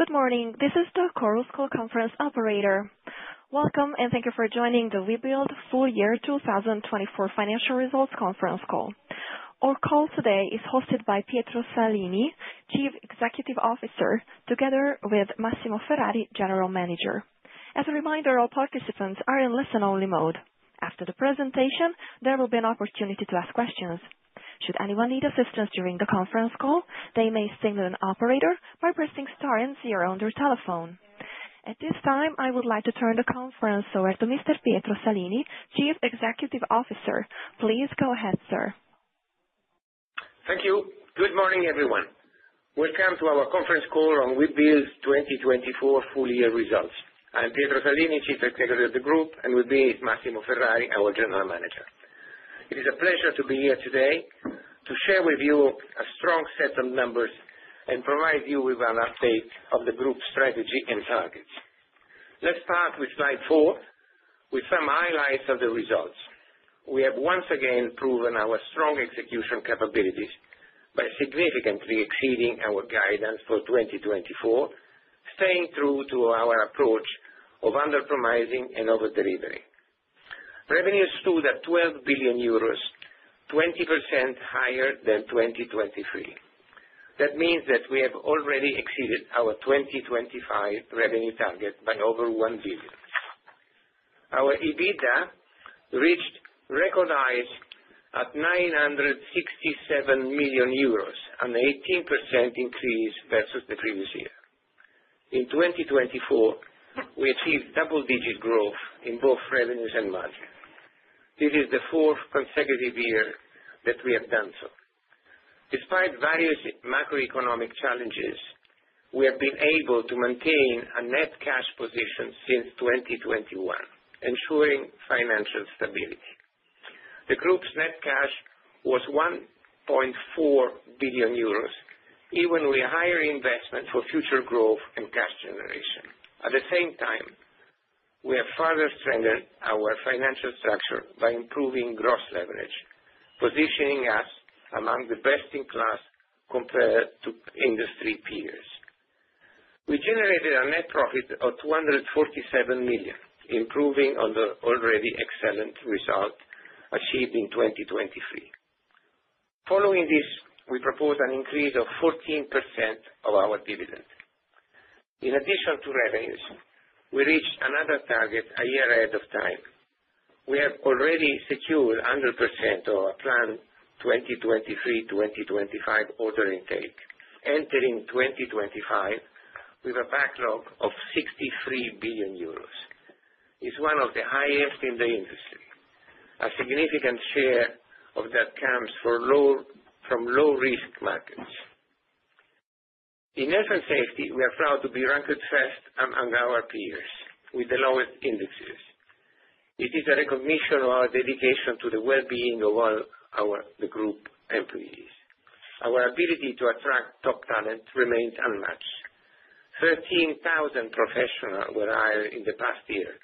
Good morning. This is the Chorus Call conference operator. Welcome, and thank you for joining the Webuild full year 2024 financial results conference call. Our call today is hosted by Pietro Salini, Chief Executive Officer, together with Massimo Ferrari, General Manager. As a reminder, all participants are in listen-only mode. After the presentation, there will be an opportunity to ask questions. Should anyone need assistance during the conference call, they may signal an operator by pressing star and zero on their telephone. At this time, I would like to turn the conference over to Mr. Pietro Salini, Chief Executive Officer. Please go ahead, sir. Thank you. Good morning, everyone. Welcome to our conference call on Webuild 2024 full year results. I'm Pietro Salini, Chief Executive of the Group, and with me is Massimo Ferrari, our General Manager. It is a pleasure to be here today to share with you a strong set of numbers and provide you with an update of the Group's strategy and targets. Let's start with slide four, with some highlights of the results. We have once again proven our strong execution capabilities by significantly exceeding our guidance for 2024, staying true to our approach of under-promising and over-delivering. Revenues stood at 12 billion euros, 20% higher than 2023. That means that we have already exceeded our 2025 revenue target by over 1 billion. Our EBITDA reached record highs at 967 million euros, an 18% increase versus the previous year. In 2024, we achieved double-digit growth in both revenues and margins. This is the fourth consecutive year that we have done so. Despite various macroeconomic challenges, we have been able to maintain a net cash position since 2021, ensuring financial stability. The Group's net cash was 1.4 billion euros, even with a higher investment for future growth and cash generation. At the same time, we have further strengthened our financial structure by improving gross leverage, positioning us among the best in class compared to industry peers. We generated a net profit of 247 million, improving on the already excellent result achieved in 2023. Following this, we propose an increase of 14% of our dividend. In addition to revenues, we reached another target a year ahead of time. We have already secured 100% of our planned 2023, 2025 order intake, entering 2025 with a backlog of 63 billion euros. It's one of the highest in the industry. A significant share of that comes from low-risk markets. In health and safety, we are proud to be ranked first among our peers with the lowest indices. It is a recognition of our dedication to the well-being of all the Group employees. Our ability to attract top talent remains unmatched. 13,000 professionals were hired in the past year,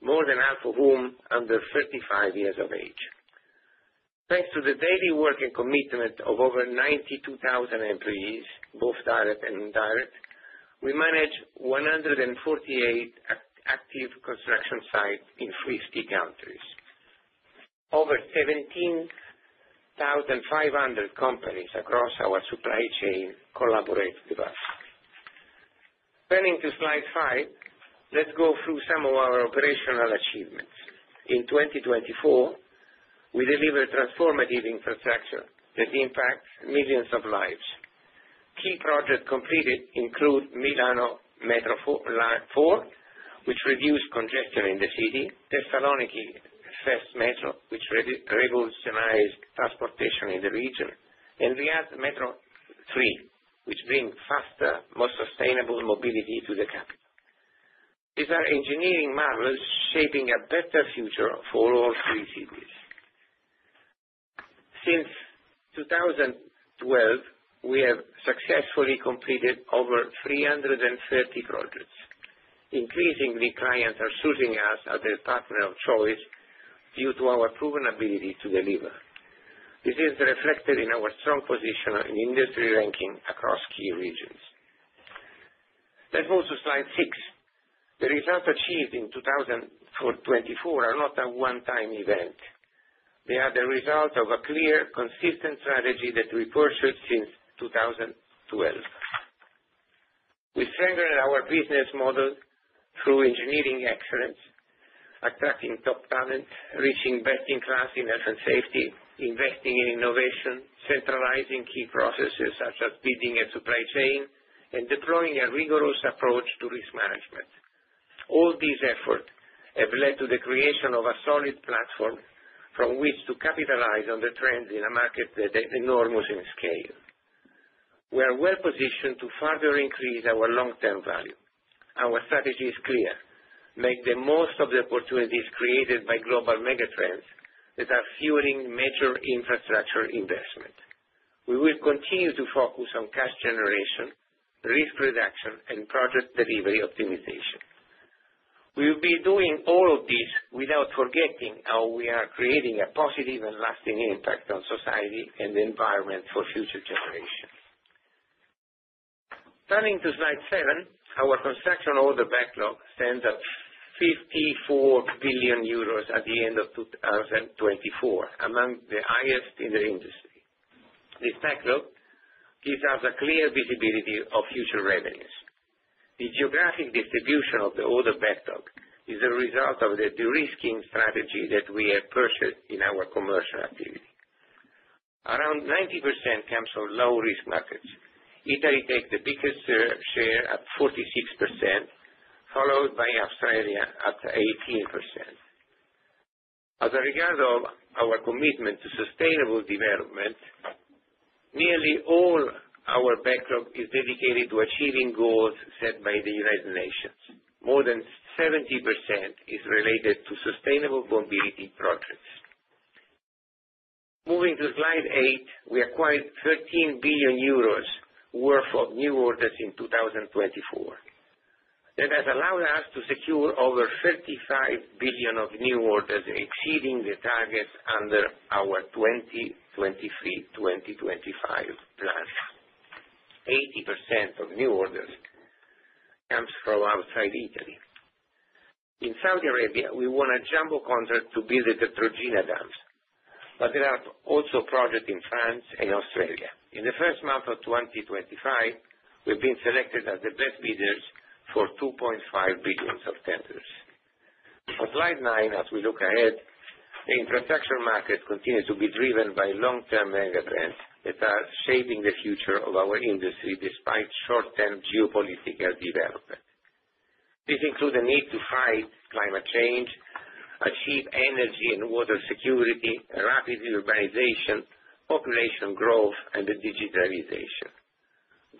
more than half of whom are under 35 years of age. Thanks to the daily work and commitment of over 92,000 employees, both direct and indirect, we manage 148 active construction sites in 50 countries. Over 17,500 companies across our supply chain collaborate with us. Turning to slide five, let's go through some of our operational achievements. In 2024, we delivered transformative infrastructure that impacts millions of lives. Key projects completed include Milan Metro 4, which reduced congestion in the city, Thessaloniki Fast Metro, which revolutionized transportation in the region, and Riyadh Metro 3, which brings faster, more sustainable mobility to the capital. These are engineering marvels shaping a better future for all three cities. Since 2012, we have successfully completed over 330 projects. Increasingly, clients are choosing us as their partner of choice due to our proven ability to deliver. This is reflected in our strong position in industry ranking across key regions. Let's move to slide six. The results achieved in 2024 are not a one-time event. They are the result of a clear, consistent strategy that we pursued since 2012. We strengthened our business model through engineering excellence, attracting top talent, reaching best in class in health and safety, investing in innovation, centralizing key processes such as building a supply chain, and deploying a rigorous approach to risk management. All these efforts have led to the creation of a solid platform from which to capitalize on the trends in a market that is enormous in scale. We are well positioned to further increase our long-term value. Our strategy is clear: make the most of the opportunities created by global megatrends that are fueling major infrastructure investment. We will continue to focus on cash generation, risk reduction, and project delivery optimization. We will be doing all of this without forgetting how we are creating a positive and lasting impact on society and the environment for future generations. Turning to slide seven, our construction order backlog stands at 54 billion euros at the end of 2024, among the highest in the industry. This backlog gives us a clear visibility of future revenues. The geographic distribution of the order backlog is the result of the de-risking strategy that we have pursued in our commercial activity. Around 90% comes from low-risk markets. Italy takes the biggest share at 46%, followed by Australia at 18%. As a regard of our commitment to sustainable development, nearly all our backlog is dedicated to achieving goals set by the United Nations. More than 70% is related to sustainable mobility projects. Moving to slide eight, we acquired 13 billion euros worth of new orders in 2024. That has allowed us to secure over 35 billion of new orders exceeding the targets under our 2023, 2025 plan. 80% of new orders comes from outside Italy. In Saudi Arabia, we won a jumbo contract to build the Trojena dams, but there are also projects in France and Australia. In the first month of 2025, we've been selected as the best bidders for 2.5 billion of tenders. On slide nine, as we look ahead, the infrastructure market continues to be driven by long-term megatrends that are shaping the future of our industry despite short-term geopolitical development. This includes the need to fight climate change, achieve energy and water security, rapid urbanization, population growth, and digitalization.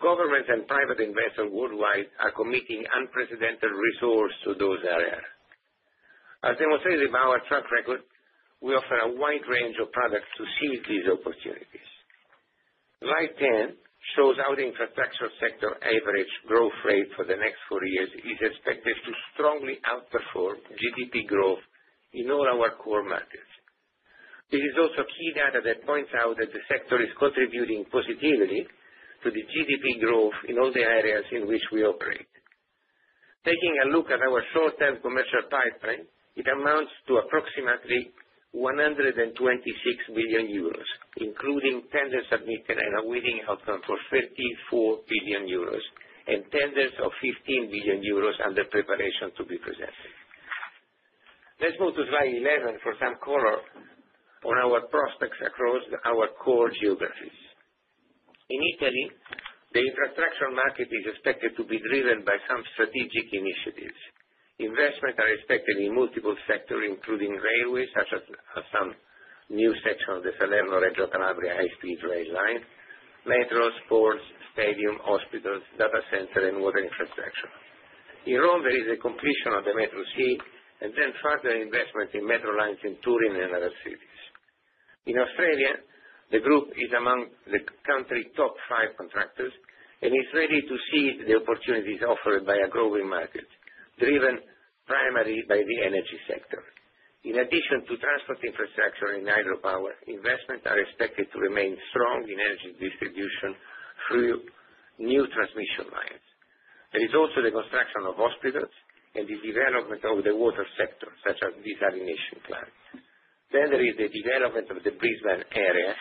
Governments and private investors worldwide are committing unprecedented resources to those areas. As demonstrated by our track record, we offer a wide range of products to seize these opportunities. Slide 10 shows how the infrastructure sector average growth rate for the next four years is expected to strongly outperform GDP growth in all our core markets. This is also key data that points out that the sector is contributing positively to the GDP growth in all the areas in which we operate. Taking a look at our short-term commercial pipeline, it amounts to approximately 126 billion euros, including tenders submitted and a winning outcome for 34 billion euros and tenders of 15 billion euros under preparation to be presented. Let's move to slide 11 for some color on our prospects across our core geographies. In Italy, the infrastructure market is expected to be driven by some strategic initiatives. Investments are expected in multiple sectors, including railways, such as some new section of the Salerno-Reggio Calabria high-speed rail line, metros, ports, stadiums, hospitals, data centers, and water infrastructure. In Rome, there is a completion of the Metro C and then further investment in metro lines in Turin and other cities. In Australia, the Group is among the country's top five contractors and is ready to seize the opportunities offered by a growing market driven primarily by the energy sector. In addition to transport infrastructure and hydropower, investments are expected to remain strong in energy distribution through new transmission lines. There is also the construction of hospitals and the development of the water sector, such as desalination plants. There is the development of the Brisbane area,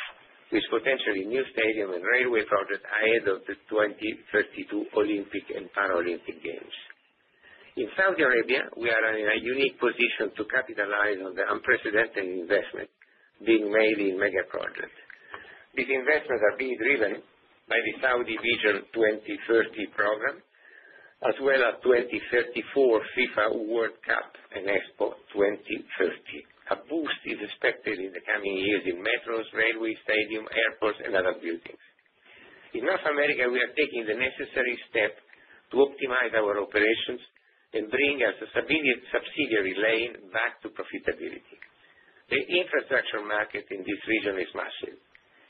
which potentially includes a new stadium and railway project ahead of the 2032 Olympic and Paralympic Games. In Saudi Arabia, we are in a unique position to capitalize on the unprecedented investment being made in mega projects. These investments are being driven by the Saudi Vision 2030 program, as well as the 2034 FIFA World Cup and Expo 2030. A boost is expected in the coming years in metros, railways, stadiums, airports, and other buildings. In North America, we are taking the necessary step to optimize our operations and bring a subsidiary Lane back to profitability. The infrastructure market in this region is massive.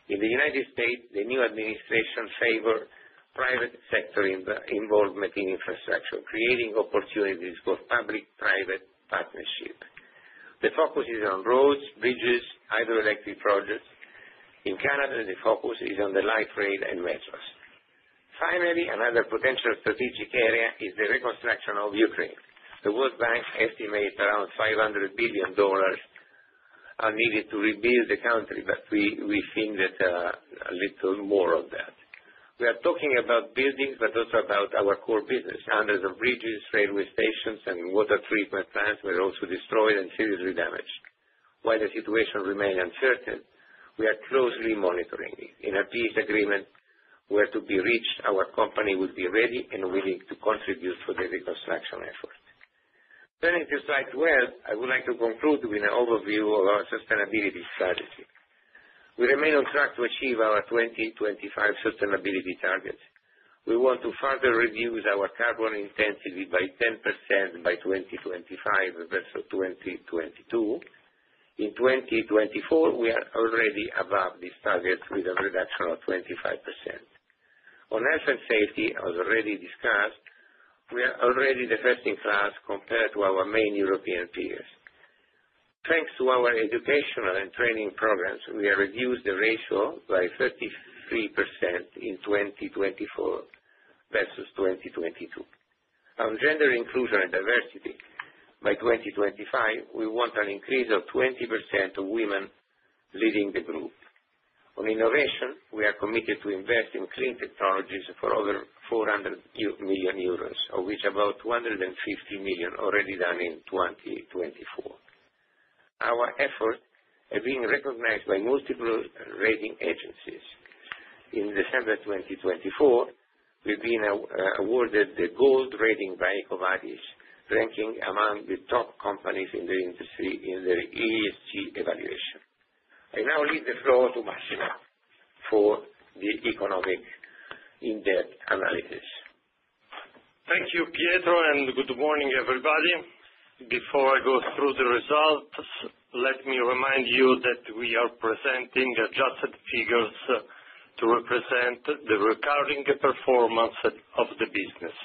In the United States, the new administration favors private sector involvement in infrastructure, creating opportunities for public-private partnerships. The focus is on roads, bridges, hydroelectric projects. In Canada, the focus is on the light rail and metros. Finally, another potential strategic area is the reconstruction of Ukraine. The World Bank estimates around $500 billion are needed to rebuild the country, but we think that a little more of that. We are talking about buildings, but also about our core business. Hundreds of bridges, railway stations, and water treatment plants were also destroyed and seriously damaged. While the situation remains uncertain, we are closely monitoring it. In a peace agreement, where to be reached, our company would be ready and willing to contribute to the reconstruction effort. Turning to slide 12, I would like to conclude with an overview of our sustainability strategy. We remain on track to achieve our 2025 sustainability targets. We want to further reduce our carbon intensity by 10% by 2025 versus 2022. In 2024, we are already above these targets with a reduction of 25%. On health and safety, as already discussed, we are already the best in class compared to our main European peers. Thanks to our educational and training programs, we have reduced the ratio by 33% in 2024 versus 2022. On gender inclusion and diversity, by 2025, we want an increase of 20% of women leading the Group. On innovation, we are committed to invest in clean technologies for over 400 million euros, of which about 250 million is already done in 2024. Our efforts are being recognized by multiple rating agencies. In December 2024, we've been awarded the Gold rating by EcoVadis, ranking among the top companies in the industry in their ESG evaluation. I now leave the floor to Massimo for the economic in-depth analysis. Thank you, Pietro, and good morning, everybody. Before I go through the results, let me remind you that we are presenting adjusted figures to represent the recurring performance of the business.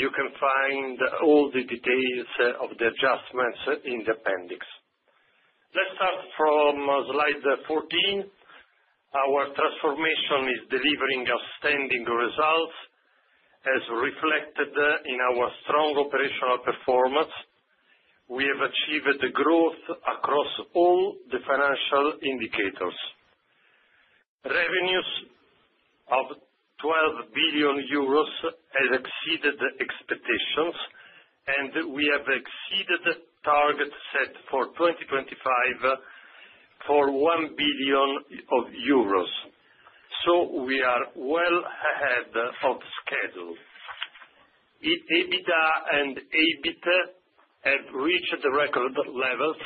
You can find all the details of the adjustments in the appendix. Let's start from slide 14. Our transformation is delivering outstanding results, as reflected in our strong operational performance. We have achieved growth across all the financial indicators. Revenues of EUR 12 billion have exceeded expectations, and we have exceeded the target set for 2025 for 1 billion euros. We are well ahead of schedule. EBITDA and EBIT have reached record levels,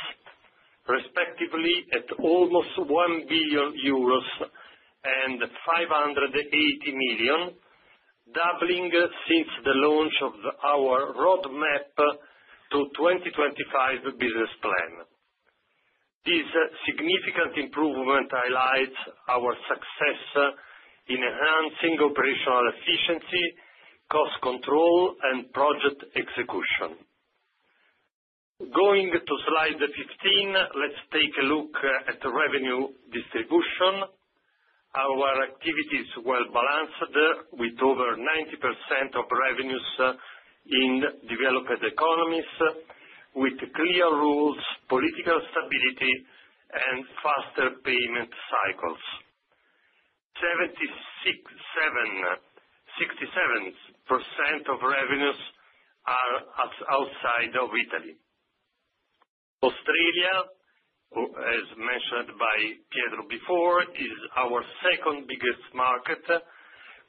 respectively, at almost 1 billion euros and 580 million, doubling since the launch of our roadmap to 2025 business plan. This significant improvement highlights our success in enhancing operational efficiency, cost control, and project execution. Going to slide 15, let's take a look at revenue distribution. Our activity is well balanced, with over 90% of revenues in developed economies, with clear rules, political stability, and faster payment cycles. 67% of revenues are outside of Italy. Australia, as mentioned by Pietro before, is our second biggest market,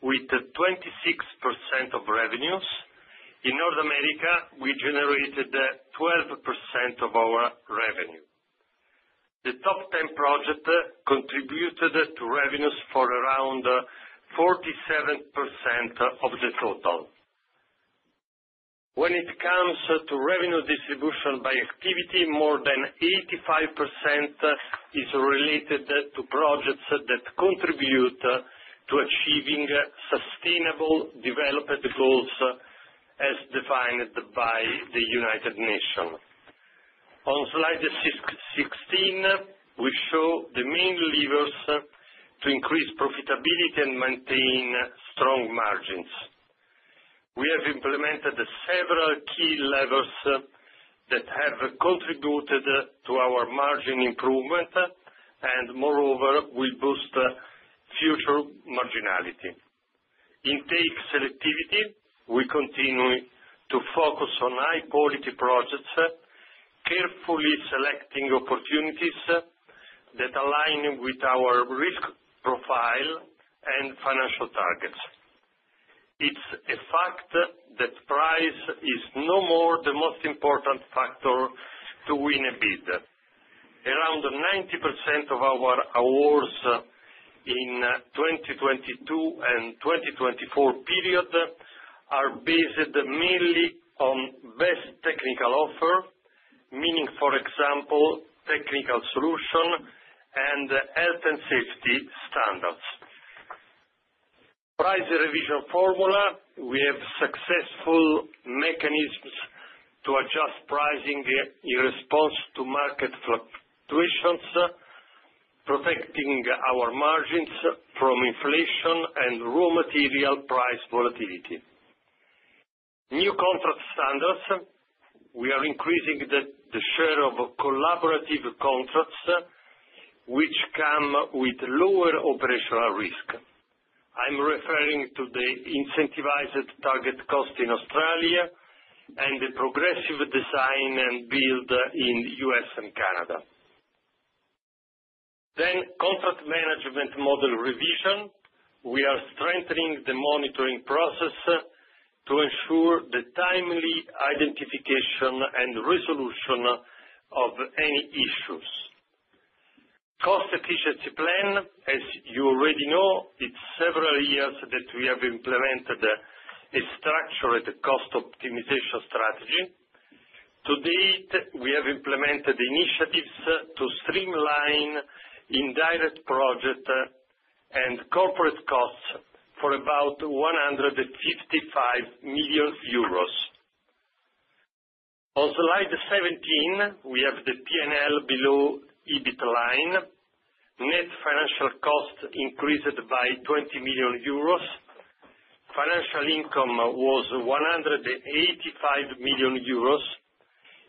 with 26% of revenues. In North America, we generated 12% of our revenue. The top 10 projects contributed to revenues for around 47% of the total. When it comes to revenue distribution by activity, more than 85% is related to projects that contribute to achieving sustainable development goals as defined by the United Nations. On slide 16, we show the main levers to increase profitability and maintain strong margins. We have implemented several key levers that have contributed to our margin improvement and, moreover, will boost future marginality. In take selectivity, we continue to focus on high-quality projects, carefully selecting opportunities that align with our risk profile and financial targets. It's a fact that price is no more the most important factor to win a bid. Around 90% of our awards in the 2022 and 2024 period are based mainly on best technical offer, meaning, for example, technical solution and health and safety standards. Price revision formula: we have successful mechanisms to adjust pricing in response to market fluctuations, protecting our margins from inflation and raw material price volatility. New contract standards: we are increasing the share of collaborative contracts, which come with lower operational risk. I'm referring to the incentivized target cost in Australia and the progressive design and build in the U.S. and Canada. Contract management model revision: we are strengthening the monitoring process to ensure the timely identification and resolution of any issues. Cost efficiency plan: as you already know, it's several years that we have implemented a structured cost optimization strategy. To date, we have implemented initiatives to streamline indirect projects and corporate costs for about 155 million euros. On slide 17, we have the P&L below EBIT line. Net financial cost increased by 20 million euros. Financial income was 185 million euros,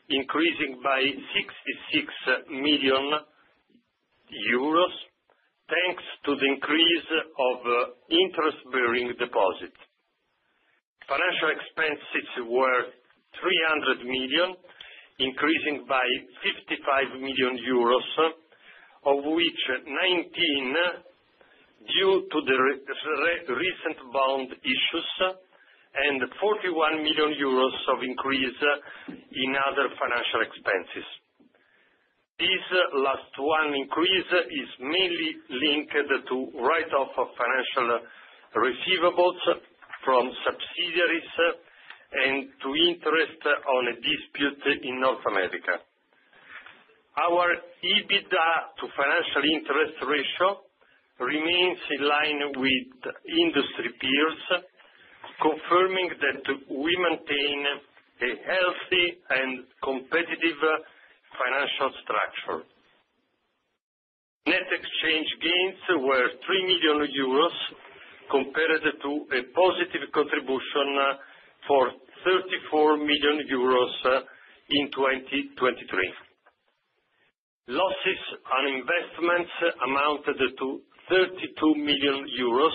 increasing by 66 million euros thanks to the increase of interest-bearing deposits. Financial expenses were 300 million, increasing by 55 million euros, of which 19 million due to the recent bond issues and 41 million euros of increase in other financial expenses. This last one increase is mainly linked to write-off of financial receivables from subsidiaries and to interest on a dispute in North America. Our EBITDA to financial interest ratio remains in line with industry peers, confirming that we maintain a healthy and competitive financial structure. Net exchange gains were 3 million euros compared to a positive contribution for 34 million euros in 2023. Losses on investments amounted to 32 million euros,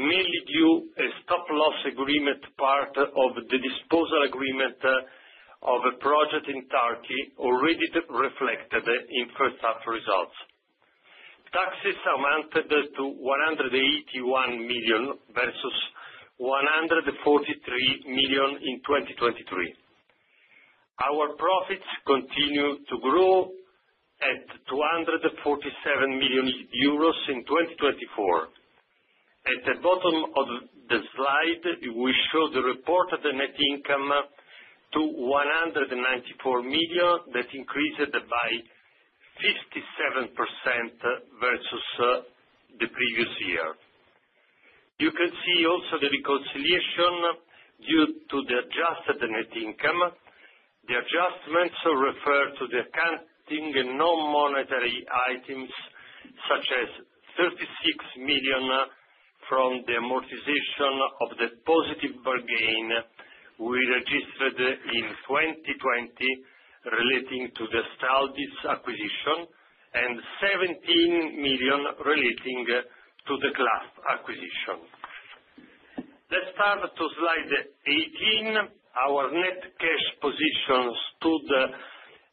mainly due to a stop-loss agreement part of the disposal agreement of a project in Türkiye, already reflected in first-half results. Taxes amounted to 181 million versus 143 million in 2023. Our profits continue to grow at 247 million euros in 2024. At the bottom of the slide, we show the reported net income to 194 million, that increased by 57% versus the previous year. You can see also the reconciliation due to the adjusted net income. The adjustments refer to the accounting non-monetary items, such as 36 million from the amortization of the positive gain we registered in 2020 relating to the Astaldi's acquisition and 17 million relating to the Clough acquisition. Let's start to slide 18. Our net cash position stood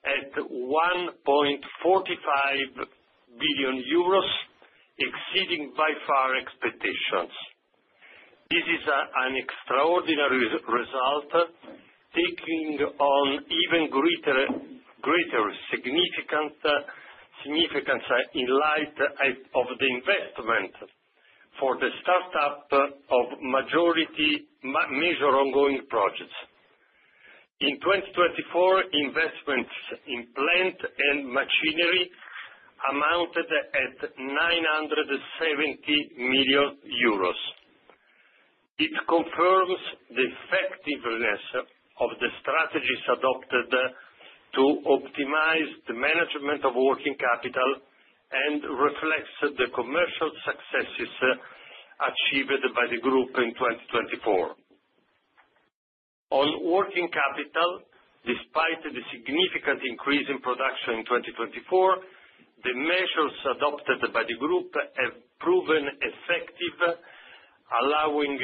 at 1.45 billion euros, exceeding by far expectations. This is an extraordinary result, taking on even greater significance in light of the investment for the startup of majority major ongoing projects. In 2024, investments in plant and machinery amounted at 970 million euros. It confirms the effectiveness of the strategies adopted to optimize the management of working capital and reflects the commercial successes achieved by the Group in 2024. On working capital, despite the significant increase in production in 2024, the measures adopted by the Group have proven effective, allowing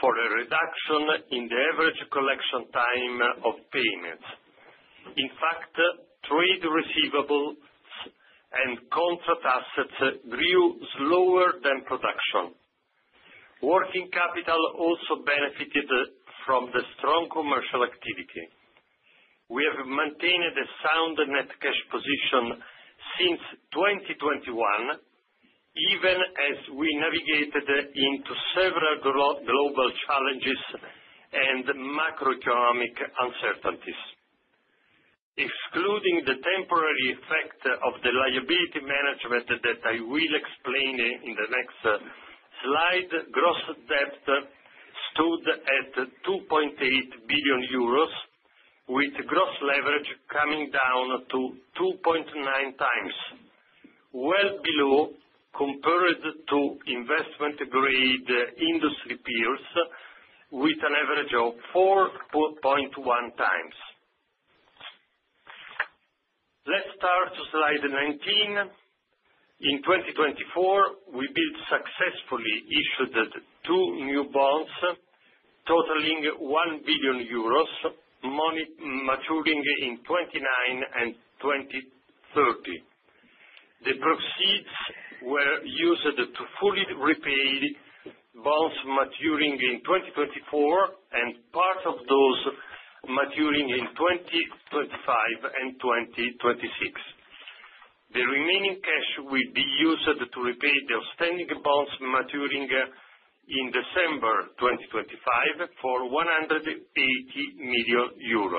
for a reduction in the average collection time of payments. In fact, trade receivables and contract assets grew slower than production. Working capital also benefited from the strong commercial activity. We have maintained a sound net cash position since 2021, even as we navigated into several global challenges and macroeconomic uncertainties. Excluding the temporary effect of the liability management that I will explain in the next slide, gross debt stood at 2.8 billion euros, with gross leverage coming down to 2.9x, well below compared to investment-grade industry peers, with an average of 4.1x. Let's start to slide 19. In 2024, Webuild successfully issued two new bonds totaling 1 billion euros, maturing in 2029 and 2030. The proceeds were used to fully repay bonds maturing in 2024 and part of those maturing in 2025 and 2026. The remaining cash will be used to repay the outstanding bonds maturing in December 2025 for EUR 180 million.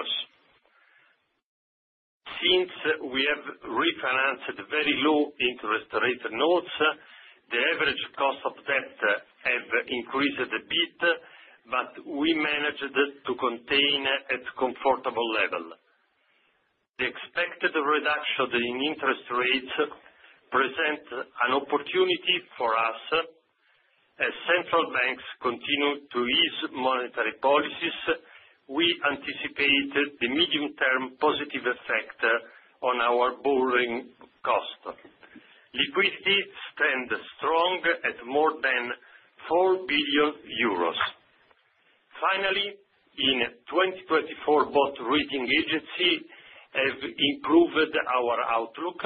Since we have refinanced very low interest rate notes, the average cost of debt has increased a bit, but we managed to contain at a comfortable level. The expected reduction in interest rates presents an opportunity for us. As central banks continue to ease monetary policies, we anticipate the medium-term positive effect on our borrowing cost. Liquidity stands strong at more than 4 billion euros. Finally, in 2024, both rating agencies have improved our outlook.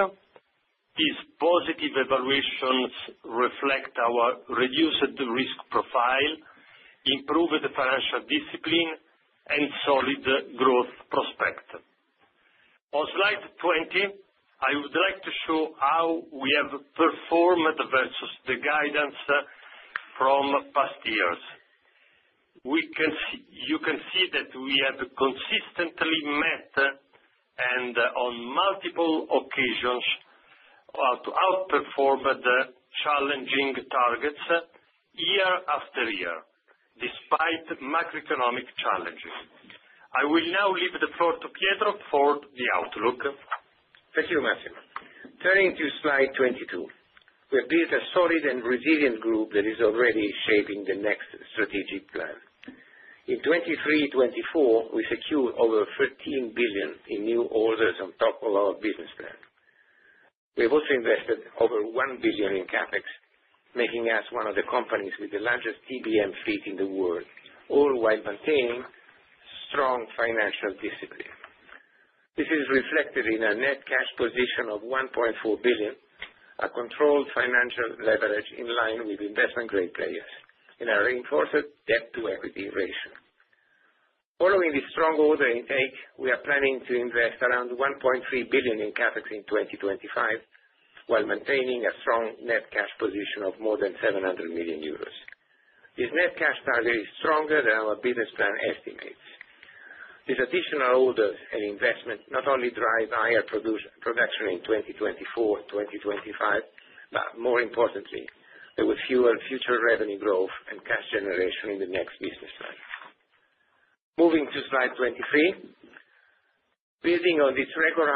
These positive evaluations reflect our reduced risk profile, improved financial discipline, and solid growth prospect. On slide 20, I would like to show how we have performed versus the guidance from past years. You can see that we have consistently met and, on multiple occasions, outperformed challenging targets year after year, despite macroeconomic challenges. I will now leave the floor to Pietro for the outlook. Thank you, Massimo. Turning to slide 22, we have built a solid and resilient Group that is already shaping the next strategic plan. In 2023, 2024, we secured over 13 billion in new orders on top of our business plan. We have also invested over 1 billion in CapEx, making us one of the companies with the largest TBM fleet in the world, all while maintaining strong financial discipline. This is reflected in a net cash position of 1.4 billion, a controlled financial leverage in line with investment-grade players, and a reinforced debt-to-equity ratio. Following this strong order intake, we are planning to invest around 1.3 billion in CapEx in 2025, while maintaining a strong net cash position of more than 700 million euros. This net cash target is stronger than our business plan estimates. These additional orders and investments not only drive higher production in 2024, 2025, but more importantly, there will be fewer future revenue growth and cash generation in the next business plan. Moving to slide 23, building on this regular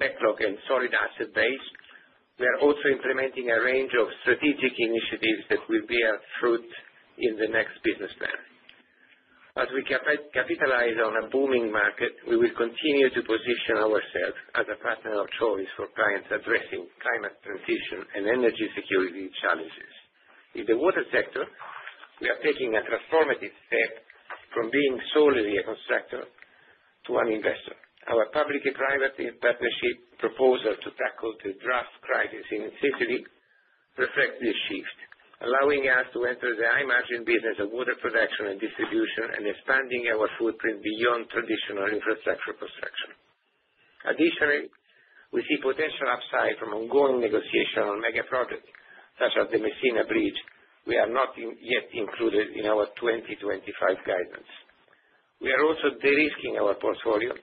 backlog and solid asset base, we are also implementing a range of strategic initiatives that will bear fruit in the next business plan. As we capitalize on a booming market, we will continue to position ourselves as a partner of choice for clients addressing climate transition and energy security challenges. In the water sector, we are taking a transformative step from being solely a constructor to an investor. Our public-private partnership proposal to tackle the drought crisis in Sicily reflects this shift, allowing us to enter the high-margin business of water production and distribution and expanding our footprint beyond traditional infrastructure construction. Additionally, we see potential upside from ongoing negotiation on mega projects such as the Messina Bridge, which we are not yet including in our 2025 guidance. We are also de-risking our portfolio,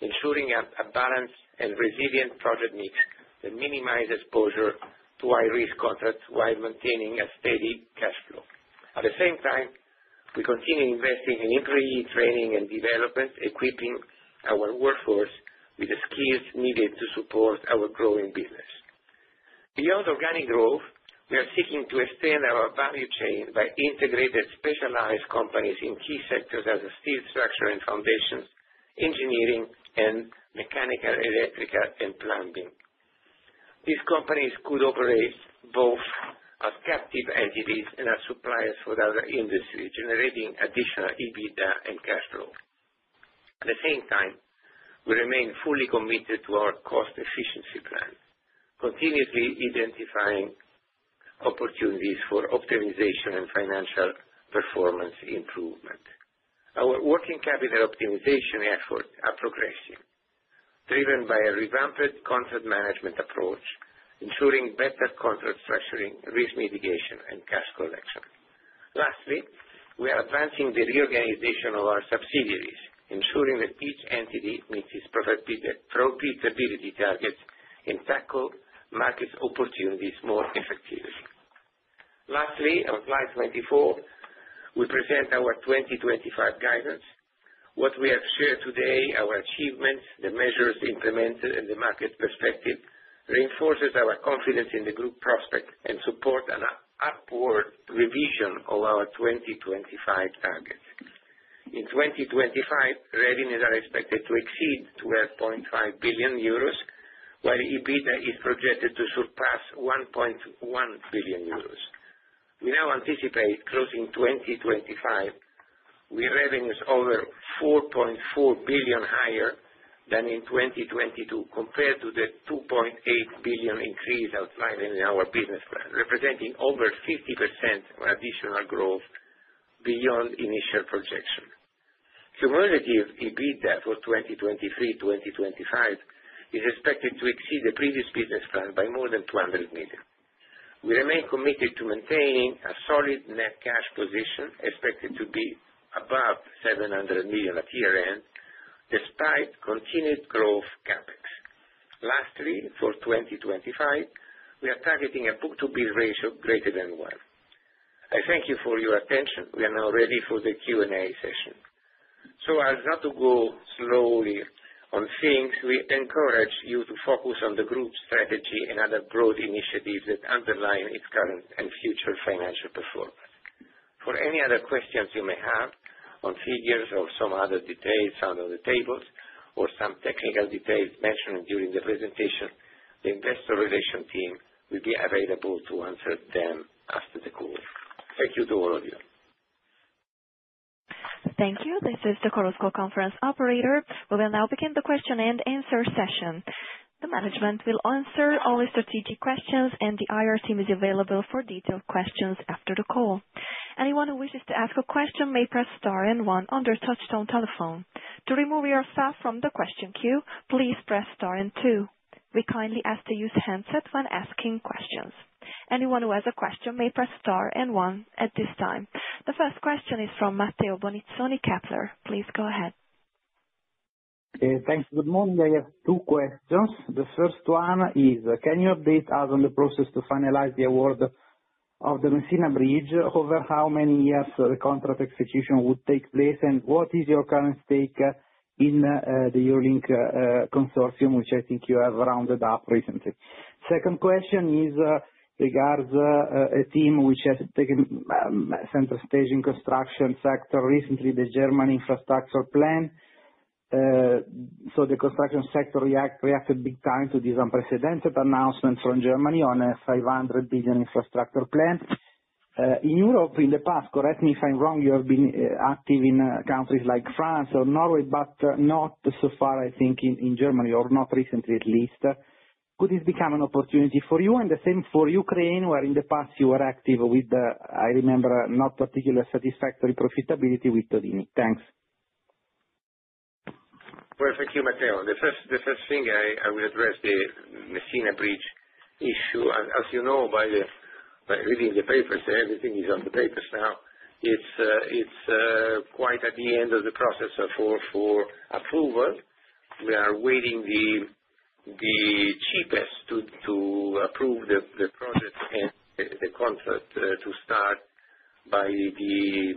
ensuring a balanced and resilient project mix that minimizes exposure to high-risk contracts while maintaining a steady cash flow. At the same time, we continue investing in employee training and development, equipping our workforce with the skills needed to support our growing business. Beyond organic growth, we are seeking to extend our value chain by integrating specialized companies in key sectors such as steel structures and foundations, engineering, and mechanical, electrical, and plumbing. These companies could operate both as captive entities and as suppliers for other industries, generating additional EBITDA and cash flow. At the same time, we remain fully committed to our cost efficiency plan, continuously identifying opportunities for optimization and financial performance improvement. Our working capital optimization efforts are progressive, driven by a revamped contract management approach, ensuring better contract structuring, risk mitigation, and cash collection. Lastly, we are advancing the reorganization of our subsidiaries, ensuring that each entity meets its profitability targets and tackles market opportunities more effectively. Lastly, on slide 24, we present our 2025 guidance. What we have shared today, our achievements, the measures implemented, and the market perspective reinforces our confidence in the Group prospect and support an upward revision of our 2025 targets. In 2025, revenues are expected to exceed 12.5 billion euros, while EBITDA is projected to surpass 1.1 billion euros. We now anticipate closing 2025 with revenues over 4.4 billion higher than in 2022, compared to the 2.8 billion increase outlined in our business plan, representing over 50% of additional growth beyond initial projection. Cumulative EBITDA for 2023, 2025 is expected to exceed the previous business plan by more than 200 million. We remain committed to maintaining a solid net cash position, expected to be above 700 million at year-end, despite continued growth CapEx. Lastly, for 2025, we are targeting a book-to-build ratio greater than one. I thank you for your attention. We are now ready for the Q&A session. As we go slowly on things, we encourage you to focus on the Group's strategy and other growth initiatives that underline its current and future financial performance. For any other questions you may have on figures or some other details under the tables or some technical details mentioned during the presentation, the investor relations team will be available to answer them after the call. Thank you to all of you. Thank you. This is the Chorus Call conference operator. We will now begin the question and answer session. The management will answer all the strategic questions, and the IR team is available for detailed questions after the call. Anyone who wishes to ask a question may press star and one under touchdown telephone. To remove yourself from the question queue, please press star and two. We kindly ask that you use handsets when asking questions. Anyone who has a question may press star and one at this time. The first question is from Matteo Bonizzoni Kepler. Please go ahead. Thanks. Good morning. I have two questions. The first one is, can you update us on the process to finalize the award of the Messina Bridge? Over how many years the contract execution would take place, and what is your current stake in the Eurolink consortium, which I think you have rounded up recently? Second question regards a theme which has taken center stage in the construction sector. Recently, the Germany infrastructure plan, so the construction sector reacted big time to this unprecedented announcement from Germany on a 500 billion infrastructure plan. In Europe, in the past, correct me if I'm wrong, you have been active in countries like France or Norway, but not so far, I think, in Germany, or not recently at least. Could this become an opportunity for you? The same for Ukraine, where in the past you were active with, I remember, not particularly satisfactory profitability with Todini. Thanks. Thank you, Matteo. The first thing I will address, the Messina Bridge issue, as you know by reading the papers, everything is on the papers now. It is quite at the end of the process for approval. We are waiting the cheapest to approve the project and the contract to start by the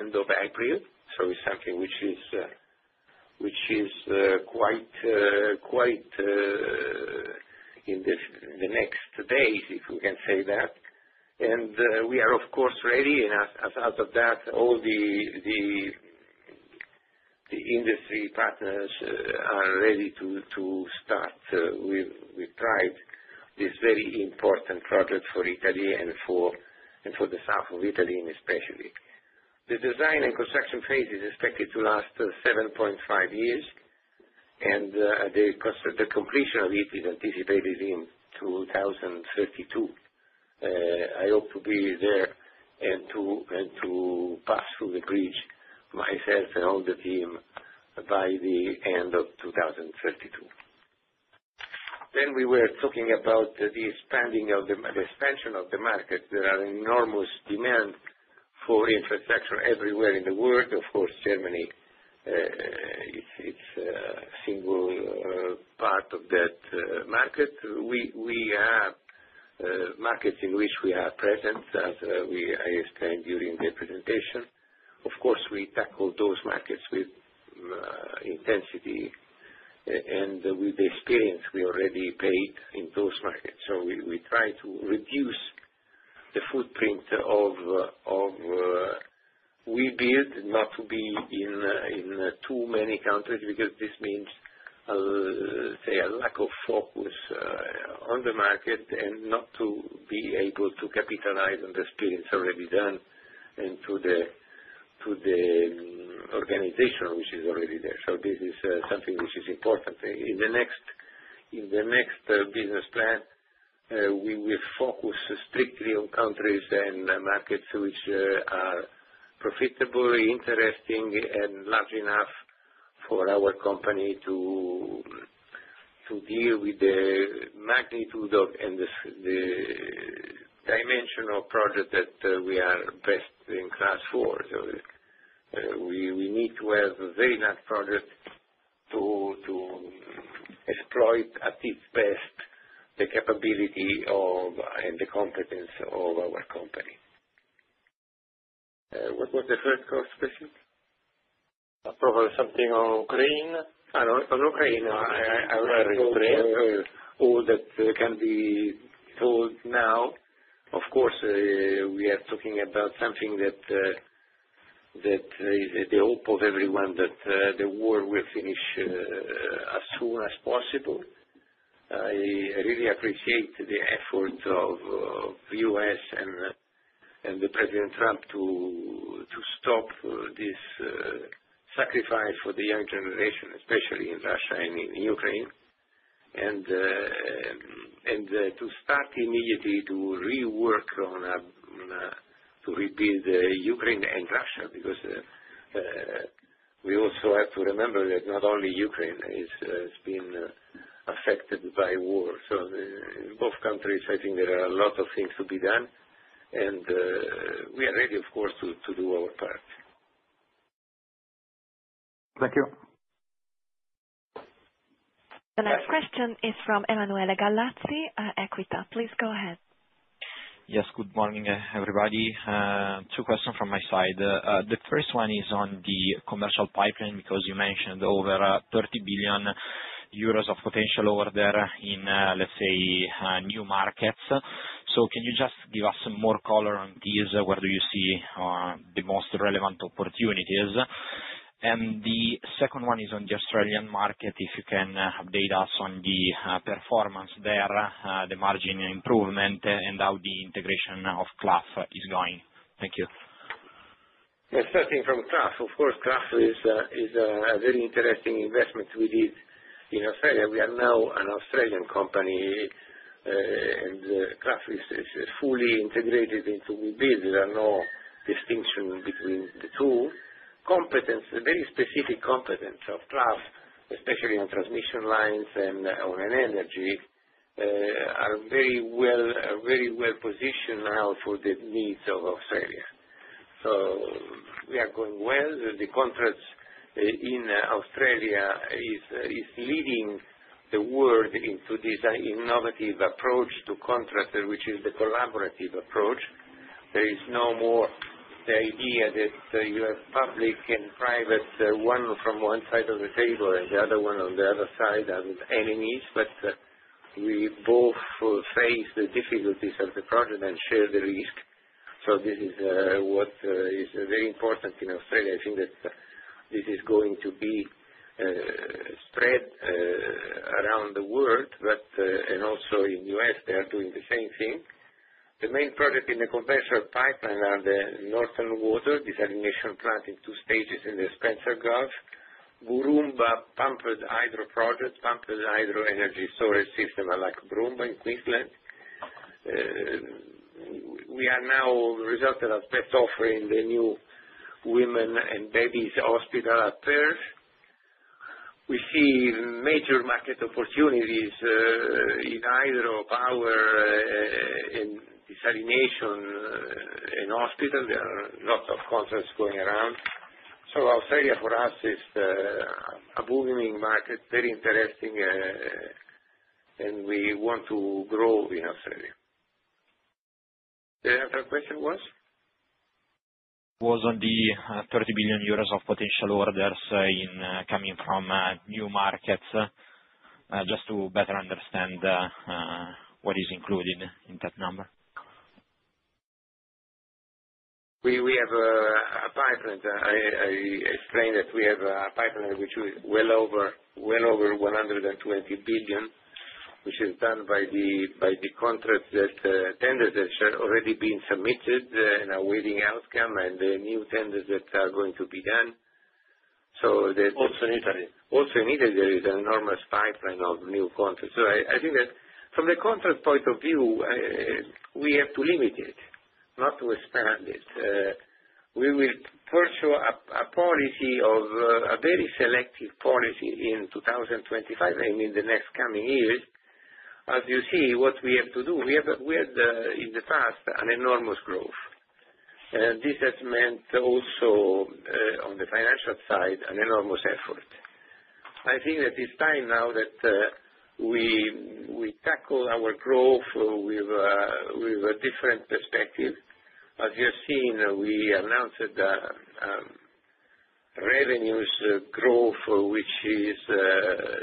end of April. It is something which is quite in the next days, if we can say that. We are, of course, ready. As a result of that, all the industry partners are ready to start with pride this very important project for Italy and for the south of Italy especially. The design and construction phase is expected to last 7.5 years, and the completion of it is anticipated in 2032. I hope to be there and to pass through the bridge myself and all the team by the end of 2032. We were talking about the expansion of the market. There is enormous demand for infrastructure everywhere in the world. Of course, Germany is a single part of that market. We have markets in which we are present, as I explained during the presentation. Of course, we tackle those markets with intensity and with the experience we already paid in those markets. We try to reduce the footprint of Webuild not to be in too many countries because this means, say, a lack of focus on the market and not to be able to capitalize on the experience already done and to the organization which is already there. This is something which is important. In the next business plan, we will focus strictly on countries and markets which are profitable, interesting, and large enough for our company to deal with the magnitude and the dimension of projects that we are best in class for. We need to have a very large project to exploit at its best the capability and the competence of our company. What was the first call specific? Probably something on Ukraine. On Ukraine, I was very clear that can be told now. Of course, we are talking about something that is the hope of everyone that the war will finish as soon as possible. I really appreciate the effort of the U.S. and President Trump to stop this sacrifice for the young generation, especially in Russia and in Ukraine, and to start immediately to rework on to rebuild Ukraine and Russia because we also have to remember that not only Ukraine has been affected by war. In both countries, I think there are a lot of things to be done, and we are ready, of course, to do our part. Thank you. The next question is from Emanuele Gallazzi at Equita. Please go ahead. Yes. Good morning, everybody. Two questions from my side. The first one is on the commercial pipeline because you mentioned over 30 billion euros of potential over there in, let's say, new markets. Can you just give us more color on these? Where do you see the most relevant opportunities? The second one is on the Australian market. If you can update us on the performance there, the margin improvement, and how the integration of Clough is going. Thank you. Yes. Starting from Clough, of course, Clough is a very interesting investment we did in Australia. We are now an Australian company, and Clough is fully integrated into Webuild. There are no distinctions between the two. Competence, the very specific competence of Clough, especially on transmission lines and on energy, are very well positioned now for the needs of Australia. We are going well. The contracts in Australia are leading the world into this innovative approach to contractors, which is the collaborative approach. There is no more the idea that you have public and private, one from one side of the table and the other one on the other side as enemies, but we both face the difficulties of the project and share the risk. This is what is very important in Australia. I think that this is going to be spread around the world, and also in the U.S., they are doing the same thing. The main project in the commercial pipeline is the Northern Water desalination plant in two stages in the Spencer Gulf. Borumba Pumped Hydro Project, Pumped Hydro Energy Storage System like Borumba in Queensland. We are now resulted as best offering the new Women and Babies Hospital at Perth. We see major market opportunities in either of our desalination and hospital. There are lots of contracts going around. Australia for us is a booming market, very interesting, and we want to grow in Australia. The other question was? Was on the 30 billion euros of potential orders coming from new markets, just to better understand what is included in that number. We have a pipeline. I explained that we have a pipeline which is well over 120 billion, which is done by the contracts that tenders that have already been submitted and are waiting outcome and the new tenders that are going to be done. That. Also in Italy? Also in Italy, there is an enormous pipeline of new contracts. I think that from the contract point of view, we have to limit it, not to expand it. We will pursue a policy of a very selective policy in 2025, I mean the next coming years. As you see what we have to do, we had in the past an enormous growth. This has meant also on the financial side an enormous effort. I think at this time now that we tackle our growth with a different perspective. As you have seen, we announced that revenues growth, which is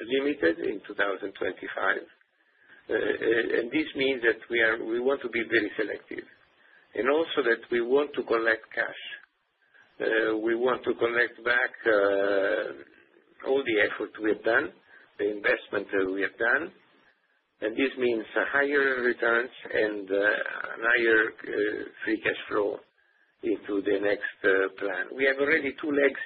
limited in 2025. This means that we want to be very selective. Also, we want to collect cash. We want to collect back all the effort we have done, the investment we have done. This means higher returns and higher free cash flow into the next plan. We have already two legs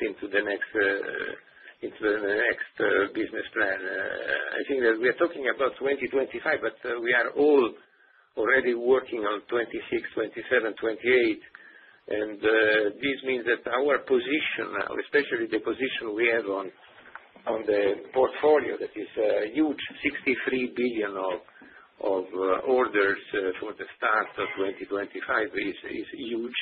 into the next business plan. I think that we are talking about 2025, but we are all already working on 2026, 2027, 2028. This means that our position now, especially the position we have on the portfolio that is huge, 63 billion of orders for the start of 2025 is huge.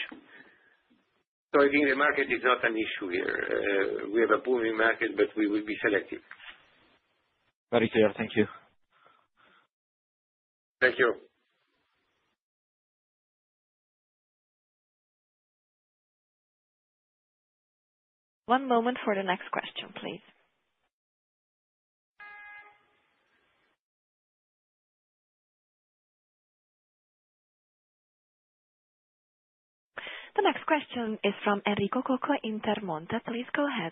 I think the market is not an issue here. We have a booming market, but we will be selective. Very clear. Thank you. Thank you. One moment for the next question, please. The next question is from Enrico Coco in Intermonte. Please go ahead.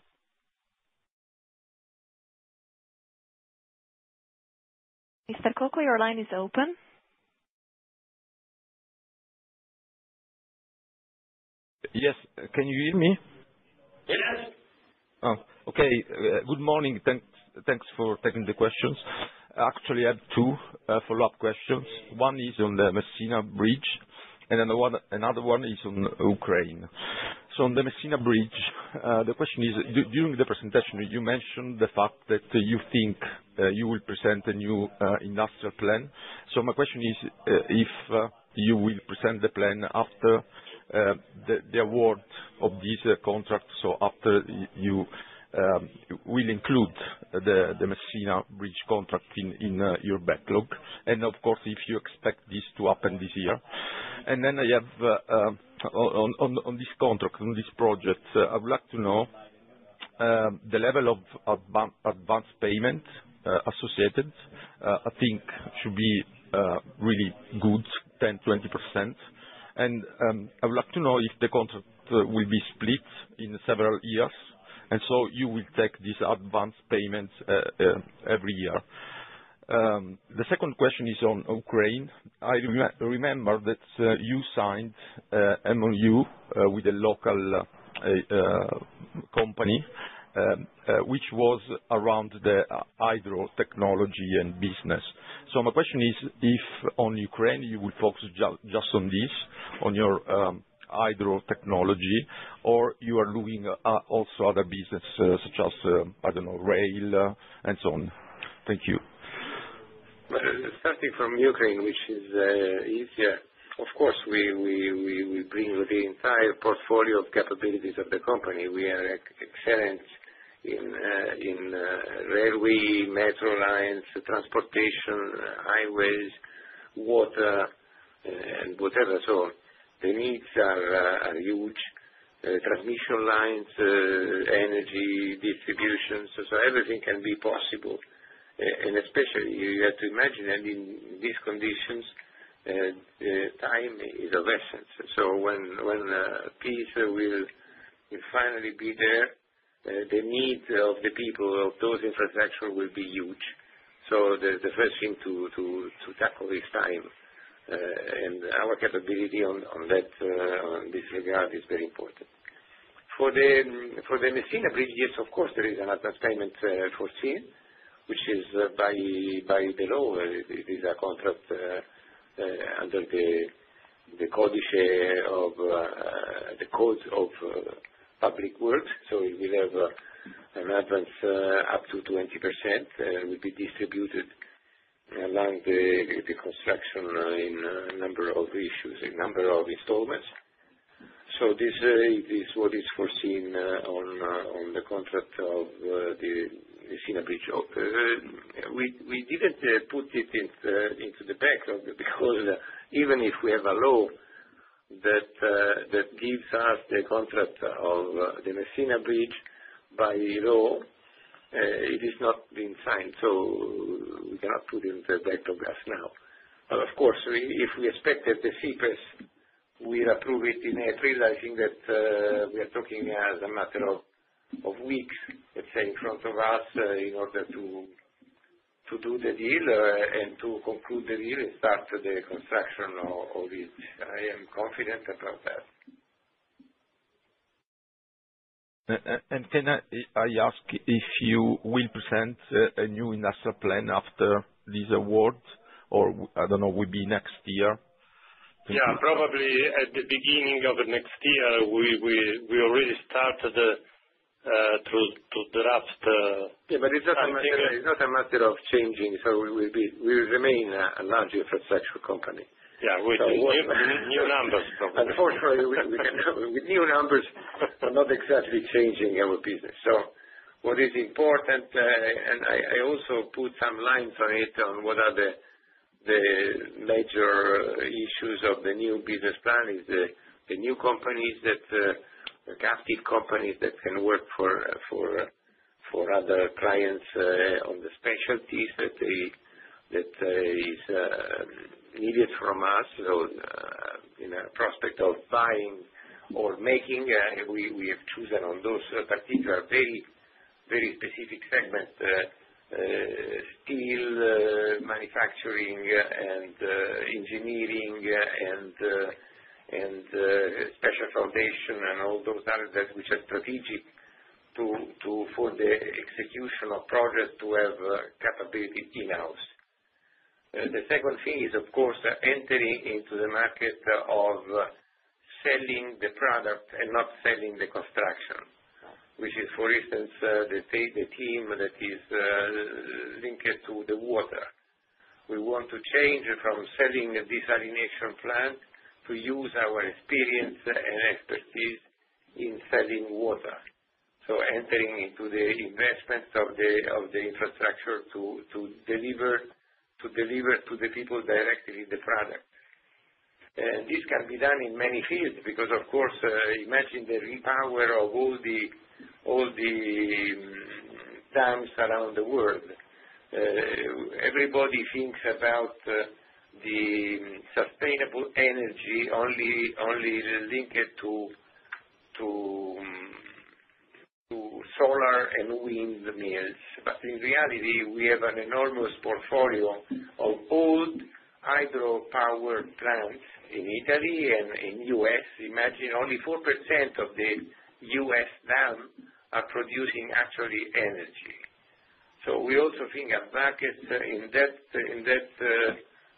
Mr. Coco, your line is open. Yes. Can you hear me? Yes. Okay. Good morning. Thanks for taking the questions. Actually, I have two follow-up questions. One is on the Messina Bridge, and another one is on Ukraine. On the Messina Bridge, the question is, during the presentation, you mentioned the fact that you think you will present a new industrial plan. My question is if you will present the plan after the award of this contract, after you will include the Messina Bridge contract in your backlog, and if you expect this to happen this year. I have on this contract, on this project, I would like to know the level of advance payment associated. I think should be really good, 10%, 20%. I would like to know if the contract will be split in several years, and if you will take this advance payment every year. The second question is on Ukraine. I remember that you signed MOU with a local company, which was around the hydro technology and business. My question is if on Ukraine you will focus just on this, on your hydro technology, or you are looking also at a business such as, I don't know, rail and so on. Thank you. Starting from Ukraine, which is easier, of course, we bring the entire portfolio of capabilities of the company. We are excellent in railway, metro lines, transportation, highways, water, and whatever. The needs are huge. Transmission lines, energy, distributions. Everything can be possible. Especially, you have to imagine that in these conditions, time is of essence. When peace will finally be there, the needs of the people of those infrastructures will be huge. The first thing to tackle is time. Our capability on that, in this regard, is very important. For the Messina Bridge, yes, of course, there is an advance payment for sea, which is by the law. It is a contract under the code of public works. We have an advance up to 20%. It will be distributed along the construction in a number of issues, a number of installments. This is what is foreseen on the contract of the Messina Bridge. We did not put it into the backlog because even if we have a law that gives us the contract of the Messina Bridge by law, it has not been signed. We cannot put it in the backlog as now. Of course, we expect that the CPES will approve it in April. I think that we are talking as a matter of weeks, let's say, in front of us in order to do the deal and to conclude the deal and start the construction of it. I am confident about that. Can I ask if you will present a new industrial plan after this award, or I don't know, will it be next year? Yeah. Probably at the beginning of next year, we already started to draft. Yeah. It's not a matter of changing. We will remain a large infrastructure company. Yeah. With new numbers, probably. Unfortunately, with new numbers, we're not exactly changing our business. What is important, and I also put some lines on it on what are the major issues of the new business plan, is the new companies, the captive companies that can work for other clients on the specialties that is needed from us in a prospect of buying or making. We have chosen on those particular very, very specific segments: steel, manufacturing, and engineering, and special foundation, and all those areas which are strategic for the execution of projects to have capability in-house. The second phase, of course, is entering into the market of selling the product and not selling the construction, which is, for instance, the team that is linked to the water. We want to change from selling the desalination plant to use our experience and expertise in selling water. Entering into the investments of the infrastructure to deliver to the people directly the product. This can be done in many fields because, of course, imagine the power of all the dams around the world. Everybody thinks about the sustainable energy only linked to solar and wind mills. In reality, we have an enormous portfolio of old hydropower plants in Italy and in the U.S. Imagine only 4% of the U.S. dams are producing actually energy. We also think of markets in that